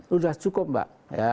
sudah cukup mbak